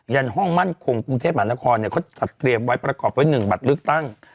ันห้องมั่นคงกรุงเทพมหานครเขาจัดเตรียมไว้ประกอบไว้๑บัตรเลือกตั้ง